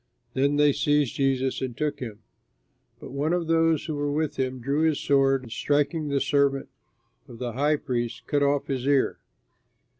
Then they seized Jesus and took him; but one of those who were with him drew his sword, and, striking the servant of the high priest, cut off his ear.